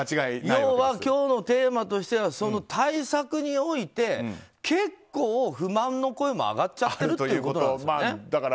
要は今日のテーマとしてはその対策において結構、不満の声も上がっちゃってるってことなんですよね。